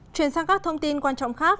chuyển sang các thông tin quan trọng khác